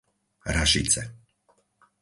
Rašice